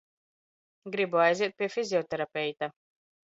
Gribu aiziet pie fizioterapeita.